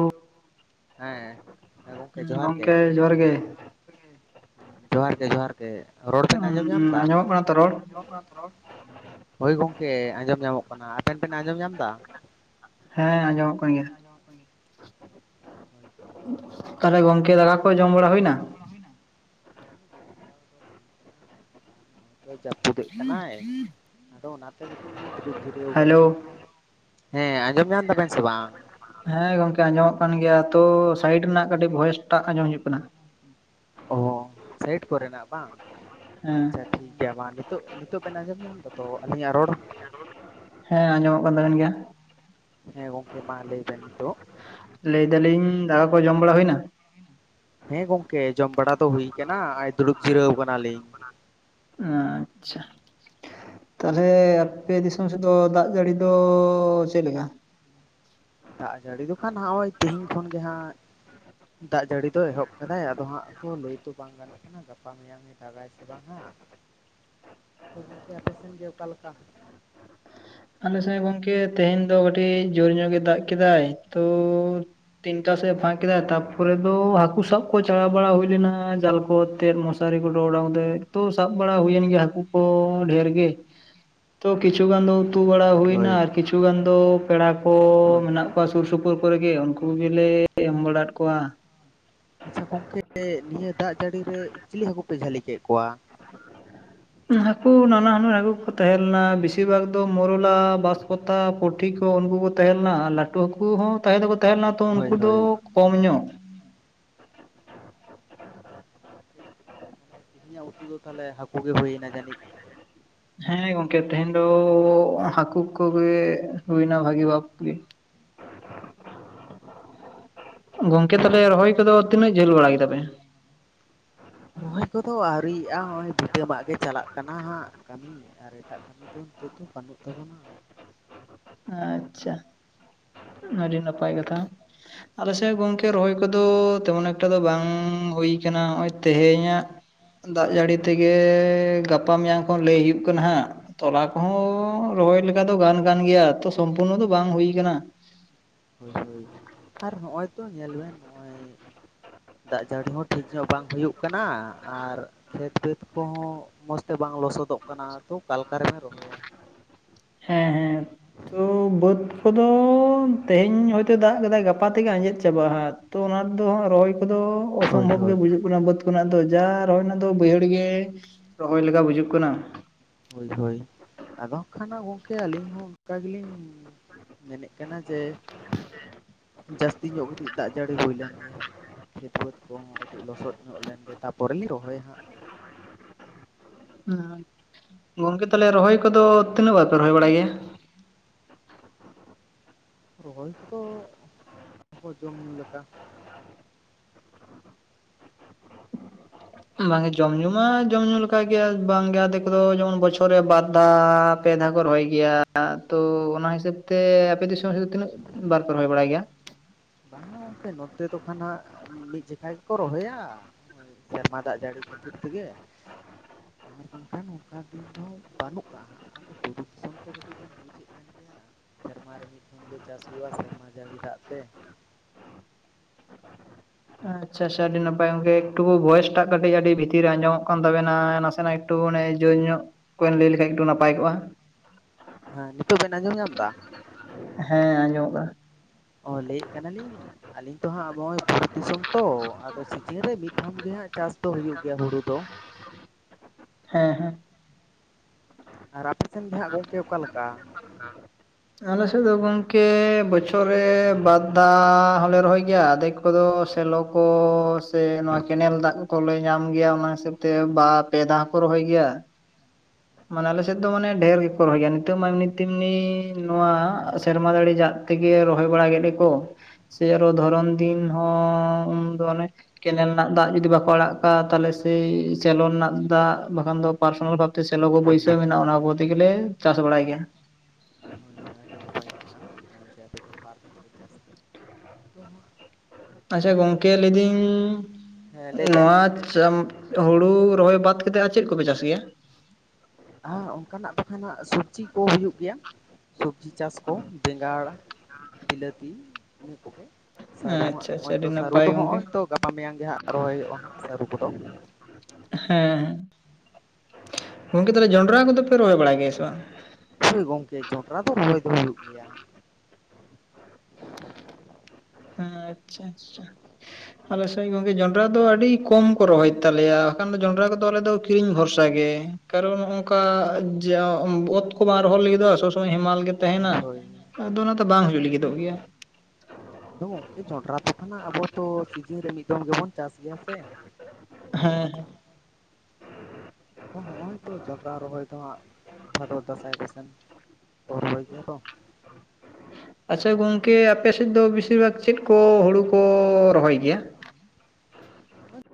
Hello! ᱦᱮᱸ ᱦᱮᱸ ᱜᱚᱢᱠᱮ ᱦᱩᱸ ᱡᱚᱦᱟᱨ ᱜᱮ᱾ ᱜᱚᱝᱠᱮ ᱡᱚᱦᱟᱨ ᱜᱮ [inaudible] ᱡᱚᱸᱦᱟᱨ ᱜᱮ ᱡᱚᱸᱦᱟᱨ ᱜᱮ ᱨᱚᱲ ᱵᱮᱱ ᱩᱸ ᱟᱸᱡᱚᱢ ᱧᱟᱢ ᱮᱫᱟ? ᱟᱸᱡᱚᱢᱚᱜ ᱠᱟᱱᱟ ᱛᱚ ᱨᱚᱲ ᱟᱸᱡᱚᱢᱚᱜ ᱠᱟᱱᱟ ᱛᱚ ᱨᱚᱲ? ᱦᱳᱭ ᱜᱚᱝᱠᱮ ᱟᱸᱡᱚᱢ ᱧᱟᱢᱚᱜ ᱠᱟᱱᱟ᱾ ᱟᱯᱮᱱ ᱯᱮᱱ ᱟᱸᱡᱚᱢ ᱧᱟᱢ ᱮᱫᱟ? ᱦᱮᱸ ᱟᱸᱡᱚᱢᱚᱜ ᱠᱟᱱ ᱜᱮᱭᱟ᱾ ᱛᱟᱦᱚᱞᱮ ᱜᱚᱝᱠᱮ ᱫᱟᱜᱠᱟ ᱠᱚ ᱡᱚᱢ ᱵᱟᱲᱟ ᱦᱩᱭᱱᱟ? [inaudible] ᱡᱟᱹᱯᱩᱫᱮᱜ ᱠᱟᱱᱟᱭ ᱟᱫᱚ ᱚᱱᱟᱛᱮ ᱠᱟᱹᱴᱤᱡ ᱞᱤᱧ ᱫᱩᱲᱩᱵ ᱡᱤᱨᱟᱹᱣ ᱠᱟᱱᱟ᱾ Hello hello. ᱦᱮᱸ ᱟᱸᱡᱚᱢ ᱧᱟᱢ ᱫᱟᱵᱮᱱ ᱥᱮ ᱵᱟᱝ? ᱦᱮᱸ ᱜᱚᱝᱠᱮ ᱟᱸᱡᱚᱢᱚᱜ ᱠᱟᱱ ᱜᱮᱭᱟ ᱛᱚ ᱥᱟᱭᱤᱰ ᱨᱮᱱᱟᱜ ᱠᱟᱹᱴᱤᱡ ᱵᱷᱚᱭᱮᱥ ᱴᱟᱜ ᱟᱸᱡᱚᱢ ᱦᱤᱡᱩᱜ ᱠᱟᱱᱟ᱾ ᱚ-ᱦᱚ ᱥᱟᱭᱤᱴ ᱠᱚᱨᱮᱱᱟᱜ ᱵᱟᱝ᱾ ᱦᱮᱸ ᱟᱪᱪᱷᱟ ᱴᱷᱤᱠ ᱜᱮᱭᱟ ᱢᱟ ᱱᱤᱛᱚᱜ ᱱᱤᱛᱚᱜ ᱵᱮᱱ ᱟᱸᱡᱚᱢ ᱧᱟᱢ ᱫᱟ ᱛᱚ ᱟᱹᱞᱤᱧᱟᱜ ᱨᱚᱲ? ᱦᱮᱸ ᱟᱸᱡᱚᱢᱚᱜ ᱠᱟᱱ ᱛᱟᱵᱱ ᱜᱮᱭᱟ᱾ ᱦᱮᱸ ᱜᱚᱢᱠᱮ ᱢᱟ ᱞᱟᱹᱭᱵᱮᱱ ᱱᱤᱛᱚᱜ᱾ ᱞᱟᱹᱭ ᱫᱟᱞᱤᱧ ᱫᱟᱠᱟ ᱠᱚ ᱡᱚᱢ ᱵᱟᱲᱟ ᱦᱩᱭᱱᱟ? ᱦᱮᱸ ᱜᱚᱝᱠᱮ ᱡᱚᱢ ᱵᱟᱲᱟ ᱫᱚ ᱦᱩᱭ ᱠᱟᱱᱟ᱾ ᱟᱭ ᱫᱩᱲᱩᱵ ᱡᱤᱨᱟᱹᱣ ᱠᱟᱱᱟᱞᱤᱧ᱾ ᱟᱪ-ᱪᱷᱟ᱾ ᱛᱟᱞᱦᱮ ᱟᱯᱮ ᱫᱤᱥᱚᱢ ᱥᱮᱫ ᱫᱚ ᱫᱟᱜ ᱡᱟᱹᱲᱤ ᱫᱚ ᱪᱮᱫᱞᱮᱠᱟ? ᱫᱟᱜ ᱡᱟᱹᱲᱤ ᱫᱚ ᱠᱷᱟᱱ ᱦᱚᱸᱜᱼᱚᱭ ᱛᱤᱦᱤᱧ ᱠᱷᱚᱱ ᱜᱮ ᱦᱟᱸᱜ ᱫᱟᱜ ᱡᱟᱹᱲᱤ ᱫᱚ ᱮᱦᱚᱵ ᱠᱟᱫᱟᱭ ᱟᱫᱚ ᱦᱟᱸᱜ ᱛᱚ ᱞᱟᱹᱭ ᱛᱚ ᱵᱟᱝ ᱜᱟᱱᱚᱜ ᱠᱟᱱᱟ ᱜᱟᱯᱟ ᱢᱮᱭᱟᱝ ᱩᱱᱤ ᱫᱟᱜᱟᱭ ᱥᱮ ᱵᱟᱝ ᱦᱟᱸᱜ᱾ ᱛᱚ ᱜᱚᱢᱠᱮ ᱟᱯᱮᱥᱮᱱ ᱜᱮ ᱚᱠᱟ ᱞᱮᱠᱟ? ᱟᱞᱮ ᱥᱮᱫ ᱜᱚᱝᱠᱮ ᱛᱮᱦᱮᱧ ᱫᱚ ᱠᱟᱹᱴᱤᱡ ᱡᱳᱨ ᱱᱚᱜ ᱜᱮ ᱫᱟᱜ ᱠᱮᱫᱟᱭ ᱛᱚ ᱛᱤᱱᱴᱟ ᱥᱮᱫ ᱮ ᱯᱷᱟᱸᱠ ᱠᱮᱫᱟᱭ᱾ ᱛᱟᱯᱚᱨᱮ ᱫᱚ ᱦᱟᱹᱠᱩ ᱥᱟᱵ ᱠᱚ ᱪᱟᱞᱟᱣ ᱵᱟᱲᱟ ᱦᱩᱭ ᱞᱮᱱᱟ ᱡᱟᱞ ᱠᱚ ᱛᱮᱫ ᱢᱚᱥᱟᱨᱤ ᱠᱚ ᱰᱚᱰᱟᱣ ᱠᱟᱛᱮᱫ ᱛᱚ ᱥᱟᱵ ᱵᱟᱲᱟ ᱦᱩᱭᱮᱱ ᱜᱮᱭᱟ ᱦᱟᱹᱠᱩ ᱠᱚ ᱰᱷᱮᱨ ᱜᱮ᱾ ᱛᱚ ᱠᱤᱪᱩ ᱜᱟᱱ ᱫᱚ ᱩᱛᱩ ᱵᱟᱲᱟ ᱦᱩᱭᱱᱟ ᱦᱳᱭ ᱟᱨ ᱠᱤᱪᱷᱩ ᱜᱟᱱ ᱫᱚ ᱯᱮᱲᱟ ᱠᱚ ᱦᱳᱭ ᱢᱮᱱᱟᱜ ᱠᱚᱣᱟ ᱥᱩᱨ ᱥᱩᱯᱩᱨ ᱠᱚᱨᱮ ᱜᱮ ᱩᱱᱠᱩ ᱜᱮᱞᱮ ᱮᱢ ᱵᱟᱲᱟᱫ ᱠᱚᱣᱟ᱾ ᱟᱪᱪᱷᱟ ᱜᱚᱝᱠᱮ ᱱᱤᱭᱟᱹ ᱫᱟᱜ ᱡᱟᱹᱲᱤ ᱨᱮ ᱪᱤᱞᱤ ᱦᱟᱹᱠᱩ ᱯᱮ ᱡᱷᱟᱹᱞᱤ ᱠᱮᱫ ᱠᱚᱣᱟ? ᱦᱩᱸ ᱦᱟᱹᱠᱩ ᱱᱟᱱᱟ ᱦᱩᱱᱟᱹᱨ ᱦᱟᱹᱠᱩ ᱠᱚ ᱛᱟᱦᱮᱸ ᱞᱮᱱᱟ, ᱵᱮᱥᱤᱨ ᱵᱷᱟᱜᱽ ᱫᱚ ᱢᱚᱨᱚᱞᱟ, ᱵᱟᱸᱥᱯᱟᱛᱟ, ᱯᱩᱴᱷᱤ ᱠᱚ ᱩᱱᱠᱩ ᱠᱚ ᱛᱟᱦᱮᱸ ᱞᱮᱱᱟ ᱟᱨ ᱞᱟᱹᱴᱩ ᱦᱟᱹᱠᱩ ᱦᱚᱸ ᱛᱟᱦᱮᱸ ᱫᱚᱠᱚ ᱛᱟᱦᱮᱸ ᱞᱮᱱᱟ ᱛᱚ ᱦᱳᱭ ᱩᱱᱠᱩ ᱫᱚ ᱦᱳᱭ ᱠᱚᱢ ᱧᱚᱜ᱾ ᱛᱤᱦᱤᱧᱟᱹᱜ ᱩᱛᱩ ᱫᱚ ᱛᱟᱦᱚᱞᱮ ᱦᱟᱹᱠᱩ ᱜᱮ ᱦᱩᱭᱱᱟ ᱡᱟᱹᱱᱤᱡ? ᱦᱮᱸ ᱜᱚᱝᱠᱮ ᱛᱮᱦᱮᱧ ᱫᱚ ᱦᱟᱹᱠᱩ ᱠᱚᱜᱮ ᱦᱩᱭᱮᱱᱟ ᱵᱷᱟᱹᱜᱤ ᱵᱷᱟᱵ ᱜᱮ᱾ ᱜᱚᱝᱠᱮ ᱛᱟᱞᱦᱮ ᱨᱚᱦᱚᱭ ᱠᱚᱫᱚ ᱛᱤᱱᱟᱹᱜ ᱡᱷᱟᱹᱞ ᱵᱟᱲᱟ ᱠᱮᱫᱟᱯᱮ? ᱨᱚᱦᱚᱭ ᱠᱚ ᱟᱹᱣᱨᱤᱭᱮᱜᱼᱟ ᱦᱚᱸᱜᱼᱚᱭ ᱵᱷᱤᱛᱟᱹᱢᱟᱜ ᱜᱮ ᱪᱟᱞᱟᱜ ᱠᱟᱱᱟ ᱦᱟᱸᱜ ᱠᱟᱹᱢᱤ᱾ ᱟᱨ ᱮᱴᱟᱜ ᱠᱟᱹᱢᱤ ᱫᱚ ᱱᱤᱛᱚᱜ ᱫᱚ ᱵᱟᱹᱱᱩᱜ ᱛᱟᱵᱚᱱᱟ᱾ ᱟᱪᱪᱷᱟ ᱟᱹᱰᱤ ᱱᱟᱯᱟᱭ ᱠᱟᱛᱷᱟ᱾ ᱟᱞᱮᱥᱮᱫ ᱜᱚᱝᱠᱮ ᱨᱚᱦᱚᱭ ᱠᱚᱫᱚ ᱛᱮᱢᱚᱱ ᱮᱠᱴᱟ ᱫᱚ ᱵᱟᱝ ᱦᱩᱭ ᱠᱟᱱᱟ ᱦᱚᱸᱜᱼᱚᱭ ᱛᱮᱦᱮᱧᱟᱜ ᱫᱟᱜ ᱡᱟᱹᱲᱤ ᱛᱮᱜᱮ ᱜᱟᱯᱟ ᱢᱮᱭᱟᱝ ᱠᱷᱚᱱ ᱞᱟᱹᱭ ᱦᱩᱭᱩᱜ ᱠᱟᱱᱟ ᱦᱟᱸᱜ ᱛᱚᱞᱟ ᱠᱚᱦᱚᱸ ᱨᱚᱦᱚᱭ ᱞᱮᱠᱟ ᱫᱚ ᱜᱟᱱ ᱠᱟᱱ ᱜᱮᱭᱟ, ᱛᱚ ᱥᱚᱢᱯᱩᱨᱱᱚ ᱫᱚ ᱵᱟᱝ ᱦᱩᱭ ᱠᱟᱱᱟ ᱾ ᱦᱳᱭ ᱦᱳᱭ ᱟᱨ ᱱᱚᱜᱼᱭ ᱛᱚ ᱧᱮᱞ ᱵᱮᱱ ᱱᱚᱜᱼᱚᱭ ᱫᱟᱜ ᱡᱟᱹᱲᱤ ᱦᱚᱸ ᱴᱷᱤᱠ ᱧᱚᱜ ᱵᱟᱝ ᱦᱩᱭᱩᱜ ᱠᱟᱱᱟ ᱟᱨ ᱠᱷᱮᱛ ᱠᱷᱮᱛ ᱠᱚᱦᱚᱸ ᱢᱚᱸᱡᱽ ᱛᱮ ᱵᱟᱝ ᱞᱚᱥᱚᱫᱚᱜ ᱠᱟᱱᱟ ᱛᱚ ᱠᱟᱞᱠᱟ ᱨᱮᱢᱮ ᱨᱚᱦᱚᱭᱟ ᱦᱮᱸ ᱦᱮᱸ ᱛᱚ ᱵᱟᱹᱫ ᱠᱚᱫᱚ ᱛᱮᱦᱮᱧ ᱦᱚ ᱫᱟᱜ ᱠᱮᱫ ᱟᱭ ᱜᱟᱯᱟ ᱛᱮᱜᱮ ᱟᱡᱮᱫ ᱪᱟᱵᱟᱜᱼᱟᱦᱟᱛᱚ ᱚᱱᱟ ᱨᱮᱫᱚ ᱦᱜ ᱨᱚᱦᱚᱭ ᱠᱚᱫᱚ ᱦᱳᱭ ᱚᱥᱚᱢᱵᱷᱚᱵ ᱜᱮ ᱦᱳᱭ ᱵᱩᱡᱩᱜ ᱠᱟᱱᱟᱟᱹ ᱠᱷᱚᱱᱟᱜ ᱫᱚ ᱡᱟ ᱨᱚᱦᱚᱭ ᱨᱮᱱᱟᱜ ᱫᱚ ᱵᱟᱹᱭᱦᱟᱹᱲ ᱜᱮ ᱨᱚᱦᱚᱭ ᱞᱮᱠᱟ ᱵᱩᱡᱷᱟ. ᱜ ᱠᱟᱱᱟ ᱾ ᱦᱳᱭ ᱦᱳᱭ ᱟᱫᱚ ᱠᱷᱟᱱ ᱜᱚᱢᱠᱮ ᱟᱹᱞᱤᱧ ᱦᱚᱸ ᱚᱱᱠᱟ ᱜᱮᱞᱤᱧ ᱢᱮᱱᱮᱫ ᱠᱟᱱᱟ ᱡᱮ ᱡᱟᱹᱥᱛᱤ ᱧᱚᱜ ᱠᱟᱹᱴᱤᱡ ᱫᱟᱜ ᱡᱟᱹᱲᱤ ᱦᱩᱭ ᱞᱮᱱ ᱜᱮ ᱠᱷᱮᱛ ᱵᱟᱹᱫᱽ ᱠᱚᱦᱚᱸ ᱠᱟᱹᱴᱤᱡ ᱞᱚᱥᱚᱫ ᱧᱚᱜ ᱞᱮᱱᱜᱮ ᱛᱟᱨᱯᱚᱨᱮ ᱞᱮ ᱨᱚᱦᱚᱭᱟ ᱦᱟᱸᱜ ᱾ ᱦᱩᱸ ᱜᱚᱝᱠᱮ ᱛᱟᱦᱚᱞᱮ ᱨᱚᱦᱚᱭ ᱠᱚᱫᱚ ᱛᱤᱱᱟᱹᱜ ᱵᱟᱨ ᱯᱮ ᱨᱚᱦᱚᱭ ᱵᱟᱲᱟᱭ ᱜᱮᱭᱟ? ᱨᱚᱦᱚᱭ ᱠᱚᱫᱚ ᱟᱵᱚ ᱡᱚᱢ ᱧᱩ ᱞᱮᱠᱟ ᱵᱟᱝᱮ ᱡᱚᱢ ᱧᱩ ᱢᱟ ᱡᱚᱢ ᱧᱩ ᱞᱮᱠᱟ ᱜᱮ ᱵᱟᱝᱜᱮ ᱟᱫᱚ ᱡᱮᱢᱚᱱ ᱵᱚᱪᱷᱚᱨ ᱨᱮ ᱵᱟᱨ ᱫᱷᱟᱣ ᱯᱮ ᱫᱷᱟᱣ ᱠᱚ ᱨᱚᱦᱚᱭ ᱜᱮᱭᱟ ᱛᱚ ᱚᱱᱟ ᱦᱤᱥᱟᱹᱵᱽ ᱛᱮ ᱟᱯᱮ ᱫᱤᱥᱚᱢ ᱫᱚ ᱛᱤᱱᱟᱹᱜ ᱵᱟᱨ ᱯᱮ ᱨᱚᱦᱚᱭ ᱵᱟᱲᱟᱭ ᱜᱮᱭᱟ? ᱵᱟᱝᱟ ᱜᱚᱝᱠᱮ ᱱᱚᱛᱮ ᱫᱚ ᱠᱷᱟᱱᱟᱸᱱᱟᱜ ᱢᱤᱫ ᱡᱚᱠᱷᱟ ᱜᱮᱠᱚ ᱨᱚᱦᱚᱭᱟ ᱾ ᱥᱮᱨᱢᱟ ᱫᱟᱜ ᱡᱟᱹᱲᱤ ᱠᱷᱟᱹᱛᱤᱨ ᱴᱷᱤᱠ ᱛᱮᱜᱮ ᱟᱨ ᱵᱟᱝᱠᱷᱟᱱ ᱚᱱᱠᱟ ᱫᱤᱱ ᱫᱚ ᱵᱟᱹᱱᱩᱜ ᱠᱟᱜᱼᱟ ᱦᱟᱸᱜ ᱟᱫᱚ ᱯᱩᱨᱩ ᱫᱤᱥᱚᱢ ᱠᱚ ᱠᱟᱹᱴᱤᱡ ᱵᱤᱱ ᱵᱩᱡᱮᱫ ᱠᱟᱱ ᱥᱮᱨᱢᱟᱨᱮ ᱢᱤᱫ ᱫᱷᱩᱢ ᱜᱮ ᱪᱟᱥ ᱦᱩᱭᱩᱜᱼᱟ ᱥᱮᱨᱢᱟ ᱡᱟᱹᱲᱤ ᱫᱟᱜ ᱛᱮ ᱾ [unintelligible] ᱟᱪᱪᱷᱟ ᱟᱪᱪᱷᱟ ᱟᱹᱰᱤ ᱱᱟᱯᱟᱭ ᱜᱚᱢᱠᱮ ᱮᱠᱴᱩ ᱵᱚᱭᱮᱥ ᱴᱟᱜ ᱠᱟᱹᱴᱤᱡ ᱟᱹᱰᱤ ᱵᱷᱤᱛᱤᱨ ᱨᱮ ᱟᱸᱡᱚᱢᱚᱜ ᱠᱟᱱ ᱛᱟᱵᱮᱱᱟ᱾ ᱱᱟᱥᱮ ᱱᱟᱜ ᱮᱠᱴᱩᱮ ᱡᱳᱨ ᱧᱚᱜ ᱚᱠᱚᱭ ᱮᱢ ᱞᱟᱹᱭ ᱞᱮᱠᱷᱟᱡ ᱮᱠᱴᱩ ᱱᱟᱯᱟᱭ ᱠᱚᱜᱼᱟ ᱾ ᱦᱮᱸ ᱱᱤᱛᱚᱜ ᱵᱮᱱ ᱟᱸᱡᱚᱢ ᱧᱟᱢ ᱮᱫᱟ-ᱼ ᱦᱮᱸ ᱟᱸᱡᱚᱢᱚᱜ ᱠᱟᱱᱟ ᱾ ᱚ ᱞᱟᱹᱭᱮᱫ ᱠᱟᱱᱟᱞᱤᱧ ᱟᱞᱤᱧ ᱛᱚ ᱦᱟᱸᱜ ᱱᱚᱜᱼᱚᱭ ᱵᱩᱨᱩ ᱫᱤᱥᱚᱢ ᱛᱚ ᱟᱫᱚ ᱥᱤᱡᱤᱱ ᱨᱮ ᱢᱤᱫ ᱫᱷᱟᱢ ᱜᱮ ᱦᱟᱸᱜ ᱪᱟᱥ ᱫᱚ ᱦᱩᱭᱩᱜ ᱜᱮᱭᱟ ᱦᱩᱲᱩ ᱫᱚ ᱾ ᱦᱮᱸ ᱦᱮᱸ ᱟᱨ ᱟᱯᱮ ᱥᱮᱱ ᱜᱮ ᱦᱟᱸᱜ ᱜᱚᱝᱠᱮ ᱚᱠᱟᱞᱮ ᱞᱮᱠᱟ ᱟᱞᱮ ᱥᱮᱫ ᱫᱚ ᱜᱚᱢᱠ ᱵᱟ. ᱫ ᱨᱮ ᱵᱟᱫᱽ ᱫ ᱦᱚᱞᱮ ᱨᱚᱦᱚᱭ ᱜᱮᱭᱟ ᱟᱫᱷᱮᱠ ᱠᱚᱫᱚ ᱥᱮᱞᱚ ᱠᱚ ᱥᱮ ᱱᱚᱣᱟ ᱠᱮᱱᱮᱞ ᱫᱟᱜ ᱠᱚᱞᱮ ᱧᱟᱢ ᱜᱮᱭᱟ ᱾ ᱚᱱᱟ ᱦᱤᱥᱟᱹᱵ ᱛᱮ ᱵᱟ ᱯᱮ ᱫᱷᱟᱣ ᱦᱚᱸᱠᱚ ᱨᱚᱦᱚᱭ ᱜᱮᱭᱟ ᱾ ᱢᱟᱱᱮ ᱟᱞᱮᱥᱮᱫ ᱫᱚ ᱢᱟᱱᱮ ᱰᱷᱮᱨ ᱜᱮᱠᱚ ᱨᱚᱦᱚᱭ ᱜᱮᱭᱟ ᱾ ᱱᱤᱛᱚᱜ ᱢᱟ ᱮᱢᱱᱤ ᱛᱮᱢᱱᱤ ᱱᱚᱣᱟ ᱥᱮᱨᱢᱟ ᱫᱟᱲᱮ ᱡᱟᱜ ᱛᱮᱜᱮ ᱨᱚᱦᱚᱭ ᱵᱟᱲᱟ ᱜᱮᱞ ᱠᱚ ᱥᱮ ᱨᱮ ᱫᱷᱚᱨᱚᱱ ᱫᱤᱱ ᱦᱚᱸ ᱢᱟᱱᱮ ᱠᱮᱱᱮᱞ ᱨᱮᱱᱟᱜ ᱫᱟᱜ ᱡᱩᱫᱤ ᱵᱟᱠᱚ ᱟᱲᱟᱜ ᱠᱟᱜ, ᱛᱟᱦᱚᱞᱮ ᱥᱮᱭ ᱥᱮᱞᱚᱱ ᱨᱮᱱᱟᱜ ᱫᱟᱜ ᱵᱟᱠᱷᱟᱱ ᱫᱚ ᱯᱟᱨᱥᱚᱱᱟᱞ ᱵᱷᱟᱵᱛᱮ ᱪᱞᱚ ᱠᱚ ᱦᱳᱭ ᱵᱟᱹᱭ ᱥᱟᱹᱣ ᱦᱳᱭ ᱢᱮᱱᱟᱜᱼᱟ ᱚᱱᱟ ᱠᱚ ᱛᱮᱜᱮᱞᱮ ᱪᱟᱥ ᱵᱟᱲᱟᱭ ᱜᱮᱭᱟ ᱾ ᱦᱳᱭ ᱦᱳᱭ ᱟᱹᱰᱤ ᱱᱟᱯᱟᱭ ᱠᱟᱛᱷᱟ [unintelligible] [unintelligible] ᱟᱪᱪᱷᱟ ᱵᱟᱨ ᱫᱚᱢ ᱜᱚᱝᱠᱮ ᱪᱟᱥ ᱞᱟᱹᱭᱫᱟᱹᱧ ᱦᱮᱸ ᱞᱟᱹᱭ ᱵᱮᱱ ᱱᱚᱣᱟ ᱪᱟᱫ ᱦᱩᱲᱩ ᱨᱚᱦᱚᱭ ᱵᱟᱫ ᱠᱟᱛᱮ ᱟᱨ ᱪᱮᱫ ᱠᱚᱯᱮ ᱪᱟᱥ ᱜᱮᱭᱟ? ᱦᱮᱸ ᱚᱱᱠᱟᱱᱟᱜ ᱫᱚᱠᱟᱱᱟᱜ ᱥᱚᱵᱡᱤ ᱠᱚ ᱦᱩᱭᱩᱜ ᱜᱮᱭᱟ ᱾ ᱥᱚᱵᱽᱡᱤ ᱪᱟᱥ ᱠᱚ ᱵᱮᱸᱜᱟᱲ ᱵᱤᱞᱟᱹᱛᱤ ᱤᱱᱟᱹ ᱠᱚᱜᱮ ᱾ ᱥᱟᱹᱨᱩ ᱦᱟᱸᱜ ᱟᱪᱪᱷᱟ ᱟᱪᱪᱷᱟ ᱱᱚᱜᱼᱚᱭ ᱟᱹᱰᱤ ᱛᱚ ᱥᱟᱹᱨᱩ ᱱᱟᱯᱟᱭ ᱫᱚ ᱜᱚᱝᱠᱮ ᱦᱚᱜᱼᱚᱭ ᱛᱚ ᱜᱟᱯᱟ ᱢᱮᱭᱟᱝ ᱜᱮ ᱦᱟᱸᱜ ᱨᱚᱦᱚᱭ ᱦᱩᱭᱩᱜᱼᱟ ᱦᱟᱸᱜ ᱥᱟᱹᱨᱩ ᱠᱚᱫᱚ ᱾ ᱦᱮᱸ ᱜᱚᱢᱠᱮ ᱛᱟᱦᱚᱞᱮ ᱡᱚᱱᱰᱨᱟ ᱠᱚᱫᱚ ᱯᱮ ᱨᱚᱦᱚᱭ ᱵᱟᱲᱟᱭ ᱜᱮᱭᱟ ᱥᱮ ᱵᱟᱝ ᱦᱚᱭ ᱜᱚᱢᱠᱮ ᱡᱚᱱᱰᱨᱟ ᱫᱚ ᱨᱚᱭ ᱫᱚ ᱦᱩᱭᱩᱜ ᱜᱮᱭᱟ [inaudible] ᱦᱮ ᱟᱪᱪᱷᱟ ᱟᱪᱪᱷᱟ ᱟᱞᱮ ᱥᱮᱭ ᱜᱚᱝᱠᱮ ᱡᱚᱱᱰᱨᱟ ᱫᱚ ᱟᱹᱰᱤ ᱠᱚᱢ ᱠᱚ ᱨᱚᱦᱚᱭ ᱛᱟᱞᱮᱭᱟ ᱵᱟᱠᱷᱟᱱ ᱫᱚ ᱡᱚᱱᱰᱨᱟ ᱠᱚᱫᱚ ᱟᱞᱮ ᱫᱚ ᱠᱤᱨᱤᱧ ᱵᱷᱚᱨᱥᱟ ᱜᱮ ᱠᱟᱨᱚᱱ ᱚᱱᱠᱟ ᱚᱛ ᱠᱚ ᱵᱟᱝ ᱨᱚᱦᱚᱭ ᱞᱟᱹᱜᱫᱚᱜᱼ ᱟ ᱥᱚᱵᱽ ᱥᱚᱢᱚᱭ ᱦᱮᱢᱟᱞ ᱜᱮ ᱦᱳᱭ ᱛᱟᱦᱮᱱᱟ ᱦᱳᱭ ᱟᱫᱚ ᱚᱱᱟ ᱫᱚ ᱵᱟᱝ ᱦᱩᱭᱩᱜ ᱞᱟᱹᱜᱤᱫᱚᱜ ᱜᱮᱭᱟ ᱟᱫᱚ ᱜᱚᱝᱠᱮ ᱡᱚᱱᱰᱨᱟ ᱛᱚ ᱠᱷᱚᱱᱟᱜ ᱟᱵᱚ ᱛᱚ ᱥᱤᱡᱤᱱ ᱨᱮ ᱢᱤᱫ ᱫᱚᱢ ᱜᱮᱵᱚᱱ ᱪᱟᱥ ᱜᱮᱭᱟ ᱥᱮ ᱦᱮᱸ ᱦᱚᱸᱜᱼᱚᱭ ᱛᱚ ᱡᱚᱱᱰᱨᱟ ᱨᱚᱦᱚᱭ ᱫᱚ ᱦᱟᱸᱜ ᱵᱷᱟᱫᱚᱨ, ᱫᱟᱥᱟᱭ ᱫᱟᱥᱟᱭ ᱾ ᱠᱚ ᱨᱚᱦᱚᱭ ᱜᱮᱭᱟ ᱛᱚ᱾ ᱟᱪᱪᱷᱟ ᱜᱚᱝᱠᱮ ᱟᱯᱮ ᱥᱮᱫ ᱫᱚ ᱵᱮᱥᱤᱨ ᱵᱷᱟᱜᱽ ᱪᱮᱫ ᱠᱚ ᱦᱩᱲᱩ ᱠᱚ ᱨᱚᱦᱚᱭ ᱜᱮᱭᱟ?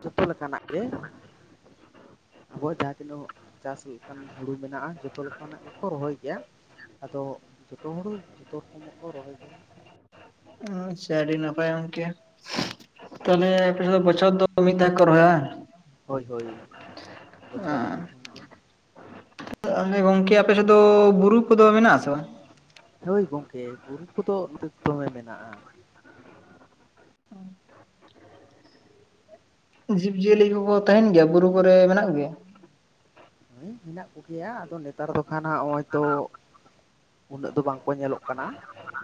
ᱡᱚᱛᱚ ᱞᱮᱠᱟᱱᱟᱜ ᱜᱮ᱾ ᱟᱵᱚ ᱡᱟᱦᱟᱸ ᱛᱤᱱᱟᱹᱜ ᱪᱟᱥ ᱞᱮᱠᱟᱱ ᱦᱩᱲᱩ ᱢᱮᱱᱟᱜᱼᱟ, ᱡᱚᱛᱚ ᱞᱮᱠᱟᱱᱟᱜ ᱜᱮᱠᱚ ᱨᱚᱦᱚᱭ ᱜᱮᱭᱟ᱾ ᱟᱫᱚ ᱡᱚᱛᱚ ᱦᱩᱲᱩ ᱡᱚᱛᱚ ᱨᱚᱠᱚᱢᱟᱜ ᱠᱚ ᱨᱚᱦᱚᱭ ᱜᱮᱭᱟ᱾ ᱥᱮ ᱟᱹᱰᱤ ᱱᱟᱯᱟᱭ ᱜᱚᱢᱠᱮ ᱛᱟᱦᱚᱞᱮ ᱟᱯᱮ ᱥᱮᱫ ᱫᱚ ᱵᱚᱪᱷᱚᱨ ᱫᱚ ᱢᱤᱫ ᱫᱷᱟᱣ ᱠᱚ ᱨᱚᱦᱚᱭᱟ ᱵᱟᱝ? ᱦᱳᱭ ᱦᱳᱭ ᱵᱚᱪᱷᱚᱨ ᱨᱮ ᱢᱤᱫ ᱫᱷᱟᱣ ᱜᱮ᱾ ᱟᱮ [unintelligible] ᱜᱚᱝᱠᱮ ᱟᱯᱮ ᱥᱮᱫ ᱫᱚ ᱵᱩᱨᱩ ᱠᱚᱫᱚ ᱢᱮᱱᱟᱜ ᱟᱥᱮ ᱵᱟᱝ? ᱦᱳᱭ ᱜᱚᱢᱠᱮ ᱵᱩᱨᱩ ᱠᱚᱫᱚ ᱫᱚᱢᱮ ᱢᱮᱱᱟᱜᱼᱟ᱾ ᱡᱤᱵ ᱡᱤᱭᱟᱹᱞᱤ ᱠᱚ ᱠᱚ ᱛᱟᱦᱮᱱ ᱜᱮᱭᱟ, ᱵᱩᱨᱩ ᱠᱚᱨᱮ ᱢᱮᱱᱟᱜ ᱠᱚ ᱜᱮᱭᱟ? ᱦᱮᱸ ᱢᱮᱱᱟᱜ ᱠᱚᱜᱮᱭᱟ ᱟᱫᱚ ᱱᱮᱛᱟᱨ ᱫᱚ ᱠᱷᱟᱱ ᱦᱟᱜ ᱱᱚᱜᱼᱚᱭ ᱛᱚ ᱩᱱᱟᱹᱜ ᱫᱚ ᱵᱟᱝ ᱠᱚ ᱧᱮᱞᱚᱜ ᱠᱟᱱᱟ᱾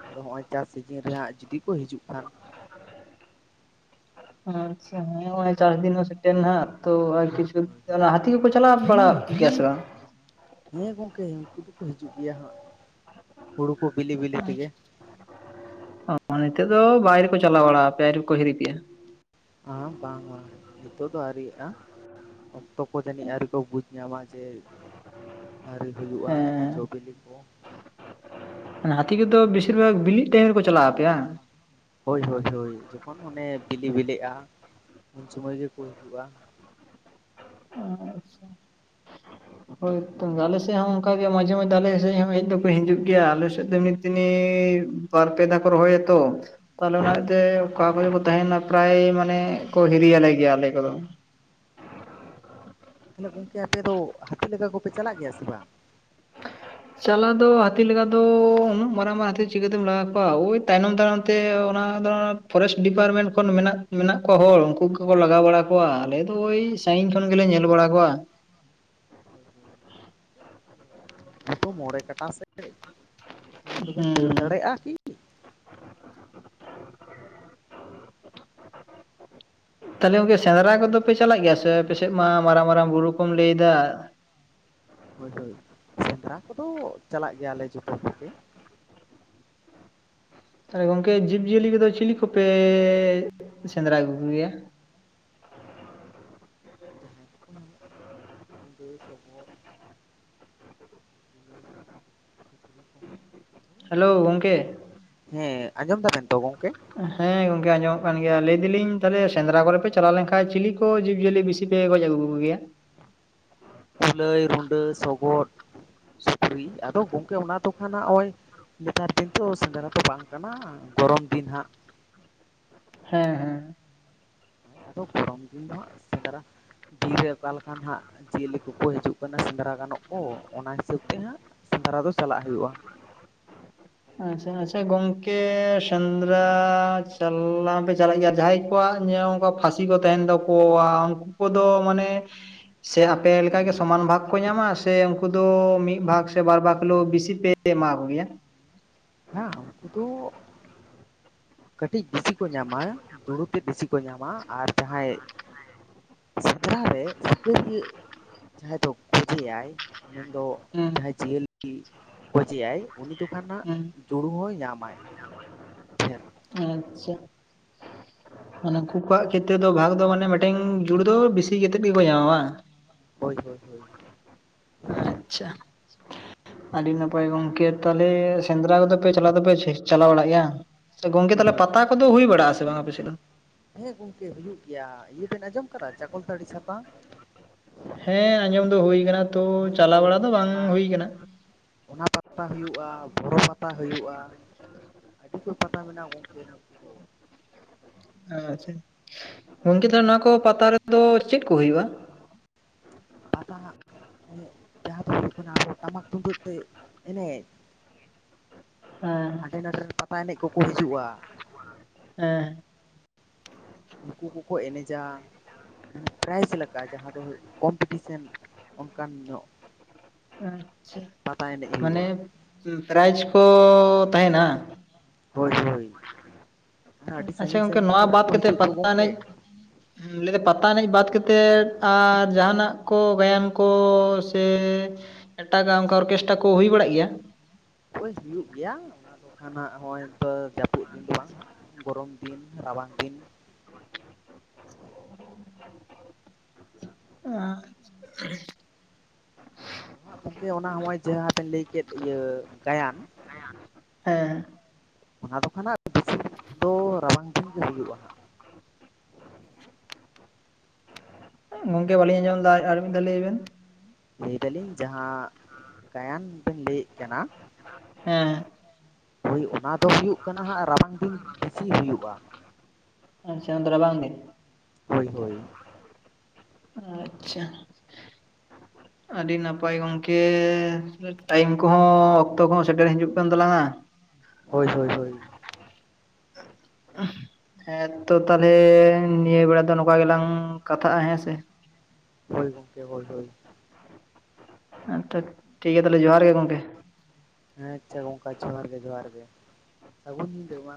ᱟᱫᱚ ᱦᱚᱸᱜᱼᱚᱭ ᱪᱟᱥ ᱥᱤᱡᱤᱱ ᱨᱮᱦᱟᱜ ᱡᱩᱫᱤ ᱠᱚ ᱦᱤᱡᱩᱜ ᱠᱷᱟᱱ᱾ ᱟᱪᱪᱷᱟ ᱦᱚᱜ-ᱚᱭ ᱪᱟᱥ ᱫᱤᱱ ᱦᱚᱸ ᱥᱮᱴᱮᱨ ᱱᱟᱦᱟᱜ, ᱛᱚ ᱟᱨ ᱠᱤᱪᱷᱩ ᱦᱟᱹᱛᱤ ᱠᱚᱠᱚ ᱪᱟᱞᱟᱣ ᱵᱟᱲᱟᱜ [unintelligible] ᱜᱮᱭᱟ ᱥᱮ ᱵᱟᱝ? ᱦᱮᱸ ᱜᱚᱝᱠᱮ ᱩᱱᱠᱩ ᱫᱚᱠᱚ ᱦᱤᱡᱩᱜ ᱜᱮᱭᱟ ᱦᱟᱸᱜ, ᱦᱩᱲᱩ ᱠᱚ ᱵᱤᱞᱤ ᱵᱤᱞᱤ ᱛᱮᱜᱮ᱾ ᱚᱸ ᱱᱤᱛᱚᱜ ᱫᱚ ᱵᱟᱭᱨᱮ ᱠᱚ ᱪᱟᱞᱟᱣ ᱵᱟᱲᱟᱣ ᱯᱮᱭᱟ ᱟᱹᱣᱨᱤ ᱠᱚ ᱦᱤᱨᱤ ᱯᱮᱭᱟ? ᱦᱮᱸ ᱵᱟᱝ ᱵᱟᱝ ᱱᱤᱛᱚᱜ ᱫᱚ ᱟᱹᱣᱨᱤᱭᱟᱜᱼᱟ᱾ ᱚᱠᱛᱚ ᱠᱚ ᱡᱟᱹᱱᱤᱡ ᱟᱹᱣᱨᱤ ᱠᱚ ᱵᱩᱡᱽ ᱧᱟᱢᱟᱦᱟᱜ ᱡᱮ ᱟᱹᱣᱨᱤ ᱦᱩᱭᱩᱜᱼᱟ ᱡᱚ ᱦᱮᱸ ᱵᱤᱞᱤ ᱠᱚ᱾ ᱦᱟᱹᱛᱤ ᱠᱚ ᱫᱚ ᱵᱮᱥᱤᱨ ᱵᱷᱟᱜᱽ ᱵᱤᱞᱤᱜ ᱴᱟᱭᱤᱢ ᱨᱮᱠᱚ ᱪᱟᱞᱟᱜᱼᱟ ᱟᱯᱮᱭᱟ ᱵᱟᱝ? ᱦᱳᱭ ᱦᱳᱭ ᱦᱳᱭ ᱡᱚᱠᱷᱚᱱ ᱚᱱᱮ ᱵᱤᱞᱤ ᱵᱤᱞᱤᱜᱼᱟ, ᱩᱱ ᱥᱩᱢᱚᱭ ᱜᱮᱠᱚ ᱦᱤᱡᱩᱜᱼᱟ᱾ ᱟᱪᱪᱷᱟ ᱦᱳᱭ ᱛᱚ ᱟᱞᱮ ᱥᱮ ᱚᱱᱠᱟ ᱜᱮ ᱟᱡᱚᱢᱮ ᱫᱟᱞᱮ ᱥᱮ ᱦᱮᱡ ᱫᱚ ᱠᱴᱦᱤᱡᱩᱜ ᱜᱮᱭᱟ ᱟᱞᱮ ᱥᱮᱫ ᱫᱚ ᱢᱤᱫ ᱫᱤᱱᱤ ᱵᱟᱨ ᱯᱮ ᱫᱷᱟᱣ ᱠᱚ ᱨᱚᱦᱚᱭᱟᱛᱚ ᱛᱟᱦᱚᱞᱮ ᱚᱱᱟ ᱦᱳᱭ ᱛᱮ ᱚᱠᱟ ᱠᱚᱫᱚ ᱠᱚ ᱛᱟᱦᱮᱱᱟ ᱯᱨᱟᱭ ᱢᱟᱱᱮ ᱠᱚ ᱦᱤᱨᱤᱭ ᱟᱟᱞᱮ ᱜᱮᱭᱟ ᱟᱞᱮ ᱠᱚᱫᱚ ᱦᱮᱞᱳ ᱜᱚᱝᱠᱮ ᱟᱯᱮ ᱫᱚ ᱦᱟᱹᱛᱤ ᱞᱟᱜᱟ ᱠᱚᱯᱮ ᱪᱟᱞᱟᱜ ᱜᱮᱭᱟ ᱥᱮ ᱵᱟᱝ ᱪᱟᱞᱟᱣ ᱫᱚ ᱦᱟᱹᱛᱤ ᱞᱟᱜᱟ ᱫᱚ ᱩᱱᱟᱹᱜ ᱢᱟᱨᱟᱝ ᱢᱟᱨᱟᱝ ᱦᱟᱹᱛᱤ ᱪᱤᱠᱟᱹᱛᱮᱢ ᱞᱟᱜᱟ ᱠᱚᱣᱟ ᱳᱭ ᱛᱟᱭᱱᱚᱢ ᱛᱟᱭᱱᱚᱢ ᱛᱮ ᱚᱱᱟ ᱯᱷᱚᱨᱮᱥᱴ ᱰᱤᱯᱟᱨᱴᱢᱮᱱᱴ ᱠᱷᱚᱱ ᱢᱮᱱᱟᱜ ᱢᱮᱱᱟᱜ ᱠᱚᱣᱟ ᱦᱚᱲ ᱩᱱᱠᱩ ᱠᱚᱠᱚ ᱞᱟᱜᱟᱣ ᱵᱟᱲᱟ ᱠᱚᱣᱟ ᱟᱞᱮ ᱫᱚ ᱳᱭ ᱥᱟᱺᱜᱤᱧ ᱠᱷᱚᱱ ᱜᱮᱞᱮ ᱧᱮᱞ ᱵᱟᱲᱟ ᱠᱚᱣᱟ ᱾ ᱦᱮᱛᱚ ᱢᱳᱲᱮ ᱠᱟᱴᱟ ᱥᱮ ᱥᱚᱢᱟᱱ ᱫᱚᱵᱮᱱ ᱫᱟᱹᱲ ᱦᱩᱸ ᱫᱟᱲᱮᱭᱟᱜᱼᱟ ᱠᱤ [inaudible] ᱛᱟᱦᱚᱞᱮ ᱜᱚᱝᱠᱮ ᱥᱮᱸᱫᱽᱨᱟ ᱠᱚᱫᱚᱯᱮ ᱪᱟᱞᱟᱜ ᱜᱮᱭᱟ ᱥᱮ ᱟᱯᱮᱥᱮᱫ ᱢᱟ ᱢᱟᱨᱟᱝ ᱢᱟᱨᱟᱝ ᱵᱩᱨᱩ ᱠᱚᱢ ᱞᱟᱹᱭᱮᱫᱟ ᱦᱳᱭ ᱦᱳᱭ ᱥᱮᱸᱫᱽᱨᱟ ᱠᱚᱫᱚ ᱪᱟᱞᱟᱜ ᱜᱮᱭᱟᱞᱮ ᱡᱚᱛᱚ ᱠᱚᱜᱮ ᱛᱟᱦᱚᱞᱮ ᱜᱚᱝᱠᱮ ᱡᱤᱵᱽ ᱡᱤᱭᱟᱹᱞᱤ ᱠᱚᱫᱚ ᱪᱤᱞᱤ ᱠᱚᱯᱮ ᱥᱮᱸᱫᱽᱨᱟ ᱟᱹᱜᱩ ᱠᱚᱜᱮᱭᱟ᱾ ᱡᱟᱦᱟᱸ ᱠᱩ ᱧᱟᱢᱚᱜ ᱜᱟᱹᱭ ᱥᱚᱵᱚᱜ ᱦᱮᱞᱳᱣ ᱜᱚᱝᱠᱮ ᱦᱮᱸ ᱟᱸᱡᱚᱢ ᱫᱟᱵᱮᱱ ᱛᱚ ᱜᱚᱝᱠᱮ? ᱦᱮᱸ ᱜᱚᱝᱠᱮ ᱟᱸᱡᱚᱢᱚᱜ ᱠᱟᱱ ᱜᱮᱭᱟ ᱞᱟᱹᱭ ᱫᱟᱹᱞᱤᱧ ᱛᱟᱦᱞᱮ ᱥᱮᱸᱫᱽᱨᱟ ᱠᱚᱨᱮᱯᱮ ᱪᱟᱞᱟᱣ ᱞᱮᱱᱠᱷᱟᱡ ᱪᱤᱞᱤ ᱠᱚ ᱡᱤᱵᱽᱡᱤᱭᱟᱹᱞᱤ ᱵᱤᱥᱤ ᱯᱮ ᱜᱚᱡ ᱟᱹᱜᱩ ᱠᱚ ᱜᱮᱭᱟ? ᱠᱩᱞᱟᱹᱭ, ᱨᱩᱰᱟᱹ, ᱥᱚᱵᱚᱫ, ᱥᱩᱠᱨᱤ ᱟᱫᱚ ᱜᱚᱝᱠᱮ ᱚᱱᱟ ᱫᱚ ᱠᱷᱟᱱ ᱦᱟᱸᱜ ᱚᱸᱭ ᱱᱮᱛᱟᱨ ᱫᱤᱱ ᱛᱚ ᱥᱮᱸᱫᱽᱨᱟ ᱛᱚ ᱵᱟᱝ ᱠᱟᱱᱟ ᱜᱚᱨᱚᱢ ᱫᱤᱱ ᱦᱟᱸᱜ ᱦᱮᱸ ᱦᱮᱸ᱾ ᱟᱫᱚ ᱜᱚᱨᱚᱢ ᱫᱤᱱ ᱫᱚ ᱦᱟᱸᱜ ᱥᱮᱸᱫᱽᱨᱟ ᱵᱤᱨ ᱨᱮ ᱚᱠᱟ ᱞᱮᱠᱟᱱ ᱦᱟᱸᱜ ᱡᱤᱭᱟᱹᱞᱤ ᱠᱚᱠᱚ ᱦᱤᱡᱩᱜ ᱠᱟᱱᱟ ᱥᱮᱸᱫᱽᱨᱟ ᱜᱟᱱᱚᱜ ᱠᱚ ᱚᱱᱟ ᱦᱤᱥᱟᱹᱵ ᱛᱮ ᱦᱟᱸᱜ ᱥᱮᱸᱫᱽᱨᱟ ᱫᱚ ᱪᱟᱞᱟᱜ ᱦᱩᱭᱩᱜᱼᱟ᱾ ᱟᱪᱪᱷᱟ ᱟᱪᱪᱷᱟ ᱜᱚᱝᱠᱮ ᱥᱮᱸᱫᱽᱨᱟ ᱪᱟᱞᱞᱟ ᱵᱮᱪ ᱪᱟᱞᱟᱜ ᱜᱮᱭᱟ ᱡᱟᱦᱟᱸᱭ ᱠᱚᱣᱟᱜ ᱧᱮᱣ ᱚᱱᱠᱟ ᱯᱷᱟᱸᱥᱤ ᱠᱚ ᱛᱮᱦᱮᱸᱱ ᱛᱟᱠᱚᱣᱟ ᱩᱱᱠᱩ ᱠᱚᱫᱚ ᱢᱟᱱᱮ ᱥᱮ ᱟᱯᱮ ᱞᱮᱠᱟᱜᱮ ᱥᱚᱢᱟᱱ ᱵᱷᱟᱜᱽ ᱠᱚ ᱧᱟᱢᱟ ᱥᱮ ᱩᱱᱠᱩ ᱫᱚ ᱢᱤᱫ ᱵᱷᱟᱜᱽ ᱥᱮ ᱵᱟᱨ ᱵᱷᱟᱜᱽ ᱦᱳᱞᱮᱣ ᱵᱤᱥᱤ ᱯᱮ ᱯᱮ ᱮᱢᱟᱣ ᱠᱚ ᱜᱮᱭᱟ ᱦᱟᱸᱜ ᱩᱱᱠᱩ ᱫᱚ ᱠᱟᱹᱴᱤᱡ ᱵᱤᱥᱤ ᱠᱚ ᱧᱟᱢᱟ ᱫᱩᱲᱩᱠᱮ ᱵᱤᱥᱤ ᱠᱚ ᱧᱟᱢᱟ ᱟᱨ ᱡᱟᱦᱟᱸᱭ ᱥᱮᱸᱫᱽᱨᱟ ᱨᱮ ᱥᱤᱠᱟᱹᱨᱤᱭᱟᱹ ᱡᱟᱦᱟᱸᱭ ᱫᱚ ᱯᱚᱡᱮᱟᱭ ᱢᱮᱱᱫᱚ ᱦᱩᱸ ᱡᱟᱦᱟᱸᱭ ᱡᱤᱭᱟᱹᱞᱤ ᱜᱚᱡᱮᱭᱟᱭ ᱩᱱᱤ ᱫᱚ ᱠᱟᱱᱱᱟᱜ ᱦᱩᱸ ᱡᱩᱲᱩ ᱦᱚᱸᱭ ᱧᱟᱢᱟᱭ᱾ ᱪᱷᱮᱲ ᱟᱪᱪᱷᱟ ᱢᱟᱱᱮ ᱩᱱᱠᱩ ᱠᱚᱣᱟᱜ ᱠᱷᱮᱛᱨᱮ ᱫᱚ ᱵᱷᱟᱜᱽ ᱫᱚ ᱢᱟᱱᱮ ᱢᱤᱴᱮᱝ ᱡᱩᱲ ᱫᱚ ᱵᱤᱥᱤ ᱠᱟᱛᱮᱜ ᱜᱮᱠᱚ ᱧᱟᱢᱟ ᱵᱟᱝ? ᱦᱳᱭ ᱦᱳᱭ ᱦᱳᱭ ᱟᱪᱪᱷᱟ, ᱟᱹᱰᱤ ᱱᱟᱯᱟᱭ ᱜᱚᱝᱠᱮ ᱛᱟᱦᱚᱞᱮ ᱥᱮᱸᱫᱽᱨᱟ ᱠᱚᱫᱚᱯᱮ ᱪᱟᱞᱟᱣ ᱫᱚᱯᱮ ᱪᱟᱞᱟᱣ ᱵᱟᱲᱟᱜ ᱜᱮᱭᱟ ᱦᱟᱸᱝ ᱥᱮ ᱜᱚᱝᱠᱮ ᱦᱳᱭ ᱛᱟᱦᱚᱞᱮ ᱦᱳᱭ ᱯᱟᱛᱟ ᱠᱚᱫᱚ ᱦᱩᱭ ᱵᱟᱲᱟᱜᱼᱟ ᱥᱮ ᱵᱟᱝ ᱟᱯᱮᱥᱮᱫ ᱫᱚ? ᱦᱮᱸ ᱜᱚᱝᱠᱮ ᱦᱩᱭᱩᱜ ᱜᱮᱭᱟ ᱤᱭᱟᱹ ᱵᱮᱱ ᱟᱸᱡᱚᱢ ᱠᱟᱫᱟ ᱪᱟᱠᱚᱞᱛᱟᱹᱲᱤ ᱪᱷᱟᱛᱟ? ᱦᱮᱸ ᱟᱸᱡᱚᱢ ᱫᱚ ᱦᱩᱭ ᱠᱟᱱᱟ ᱛᱳ ᱦᱳᱭ ᱪᱟᱞᱟᱣ ᱵᱟᱲᱟ ᱦᱳᱭ ᱫᱚ ᱵᱟᱝ ᱦᱩᱭ ᱚᱱᱟ ᱠᱟᱱᱟ᱾ ᱚᱱᱟ ᱯᱟᱛᱟ ᱦᱩᱭᱩᱜᱼᱟ ᱵᱚᱨᱚ ᱯᱟᱛᱟ ᱦᱩᱭᱩᱜᱼᱟ᱾ ᱟᱹᱰᱤ ᱠᱚᱡ ᱯᱟᱛᱟ ᱢᱮᱱᱟᱜᱼᱟ ᱜᱚᱝᱠᱮ ᱱᱚᱛ ᱫᱚ᱾ ᱟᱪᱪᱷᱟ, ᱜᱚᱝᱠᱮ ᱛᱟᱦᱞᱮ ᱱᱚᱣᱟ ᱠᱚ ᱯᱟᱛᱟ ᱨᱮᱫᱚ ᱪᱮᱫ ᱠᱚ ᱦᱩᱭᱩᱜᱼᱟ? ᱯᱟᱛᱟ ᱮᱱᱮᱡ ᱡᱟᱦᱟᱸ ᱫᱚ ᱦᱩᱭᱩᱜ ᱠᱟᱱᱟ ᱟᱵᱚ ᱴᱟᱢᱟᱠ ᱛᱩᱢᱫᱟᱹᱜ ᱛᱮ ᱮᱱᱮᱡ᱾ [inaudible] ᱦᱮᱸ ᱦᱟᱸᱰᱮ ᱱᱟᱸᱰᱮ ᱨᱮᱱ ᱯᱟᱛᱟ ᱮᱱᱮᱡ ᱠᱚᱠᱚ ᱦᱤᱡᱩᱜᱼᱟ᱾ ᱮᱸ ᱩᱱᱠᱩ ᱠᱩᱠᱩ ᱮᱱᱮᱡᱟ᱾ ᱢᱟᱱᱮ ᱯᱨᱟᱭᱤᱡᱽ ᱞᱮᱠᱟ ᱡᱟᱦᱟᱸ ᱫᱚ ᱦᱩᱭᱩᱜ ᱠᱚᱢᱯᱤᱴᱤᱥᱮᱱ ᱚᱱᱠᱟᱱ ᱧᱚᱜ᱾ ᱟᱪᱪᱷᱟ, ᱯᱟᱛᱟ ᱮᱱᱮᱡ ᱢᱟᱱᱮ ᱦᱩᱭᱩᱜᱼᱟ ᱯᱨᱟᱭᱤᱡᱽ ᱠᱚ ᱛᱟᱦᱮᱱᱟ ᱦᱟᱸ? ᱦᱳᱭ ᱦᱳᱭ, ᱦᱟᱸ ᱟᱹᱰᱤ ᱟᱪᱪᱷᱟ ᱥᱟᱺᱜᱤᱧ ᱜᱚᱝᱠᱮ ᱥᱟᱺᱜᱤᱧ ᱠᱚᱨᱮᱱ ᱠᱚ ᱦᱤᱡᱩᱜ ᱫᱚ ᱜᱚᱝᱠᱮ᱾ ᱩᱸ ᱦᱩᱸᱜ ᱞᱟᱹᱭ ᱫᱟᱹᱧ ᱯᱟᱛᱟ ᱮᱱᱮᱡ ᱵᱟᱫ ᱠᱟᱛᱮᱫ ᱟᱨ ᱡᱟᱦᱟᱸᱱᱟᱜ ᱠᱚ ᱜᱟᱭᱟᱱ ᱠᱚ ᱥᱮ ᱮᱴᱟᱜᱟᱜ ᱚᱱᱠᱟ ᱚᱨᱠᱮᱥᱴᱟ ᱠᱚ ᱦᱩᱭ ᱵᱟᱲᱟᱜ ᱜᱮᱭᱟ? ᱦᱳᱭ ᱦᱩᱭᱩᱜ ᱜᱮᱭᱟ ᱚᱱᱟ ᱫᱚ ᱠᱷᱟᱱ ᱦᱟᱸᱜ ᱦᱚᱜᱼᱚᱭ ᱛᱟᱹ ᱡᱟᱹᱯᱩᱫ ᱫᱤᱱ ᱫᱚ ᱵᱟᱝ ᱦᱟᱸᱜ ᱜᱚᱨᱚᱢ ᱫᱤᱱ ᱨᱟᱵᱟᱝ ᱫᱤᱱ ᱚᱸ ᱟᱸᱜ ᱦᱚᱸ ᱦᱟᱸᱜ ᱜᱚᱢᱠᱮ ᱚᱱᱟ ᱦᱚᱸᱜᱼᱚᱭ ᱡᱟᱦᱟᱸ ᱵᱮᱱ ᱞᱟᱹᱭ ᱠᱮᱫ ᱤᱭᱟᱹ ᱜᱟᱭᱟᱱ ᱦᱮᱸ᱾ ᱚᱱᱟ ᱫᱚ ᱠᱷᱱᱟᱜ [inaudible] ᱫᱚ ᱨᱟᱵᱟᱝ ᱫᱤᱱ ᱜᱮ ᱦᱩᱭᱩᱜᱼᱟ ᱦᱟᱸᱜ᱾ [inaudible] ᱜᱚᱝᱠᱮ ᱵᱟᱞᱤᱧ ᱟᱸᱡᱚᱢᱫᱟ ᱟᱨᱢᱤᱫ ᱫᱷᱟᱣ ᱞᱟᱹᱭ ᱵᱮᱱ᱾ ᱞᱟᱹᱭ ᱫᱟᱞᱤᱧ ᱡᱟᱦᱟᱸ ᱜᱟᱭᱟᱱ ᱵᱮᱱ ᱞᱟᱹᱭᱮᱫ ᱠᱟᱱᱟ ᱦᱮᱸ᱾ ᱦᱳᱭ ᱚᱱᱟ ᱫᱚ ᱦᱩᱭᱩᱜ ᱠᱟᱱᱟ ᱦᱟᱸᱜ ᱨᱟᱵᱟᱝ ᱫᱤᱱ ᱵᱮᱥᱤ ᱦᱩᱭᱩᱜᱼᱟ᱾ ᱟᱪᱪᱷᱟ ᱚᱱᱟ ᱫᱚ ᱨᱟᱵᱟᱝ ᱫᱤᱱ᱾ ᱦᱳᱭ ᱦᱳᱭ᱾ ᱟᱪᱪᱷᱟ᱾ ᱟᱹᱰᱤ ᱱᱟᱯᱟᱭ ᱜᱚᱝᱠᱮ ᱴᱟᱭᱤᱢ ᱠᱚᱦᱚᱸ, ᱚᱠᱛᱚ ᱠᱚᱦᱚᱸ ᱥᱮᱴᱮᱨ ᱦᱤᱡᱩᱜ ᱠᱟᱱ ᱛᱟᱞᱟᱝᱼᱟ᱾ ᱦᱳᱭ ᱦᱳᱭ ᱦᱳᱭ᱾ ᱦᱮᱸ ᱛᱚ ᱛᱟᱞᱦᱮ ᱱᱤᱭᱟᱹ ᱵᱮᱲᱟ ᱫᱚ ᱱᱚᱝᱠᱟ ᱜᱮᱞᱟᱝ ᱠᱟᱛᱷᱟᱜᱼᱟ ᱦᱮᱸ ᱥᱮ᱾ ᱦᱳᱭ, ᱜᱚᱝᱠᱮ ᱦᱳᱭ ᱦᱳᱭ᱾ ᱦᱮᱸ ᱴᱚᱴ ᱴᱷᱤᱠ ᱜᱮᱭᱟ ᱛᱟᱦᱚᱞᱮ ᱡᱚᱸᱦᱟᱨ ᱜᱮ ᱜᱚᱝᱠᱮ᱾ ᱦᱮᱸ ᱟᱪᱪᱷᱟ ᱜᱚᱝᱠᱮ ᱡᱚᱸᱦᱟᱨ ᱜᱮ, ᱡᱚᱸᱦᱟᱨ ᱜᱮ, ᱥᱟᱹᱜᱩᱱ ᱧᱤᱫᱟᱹ ᱢᱟ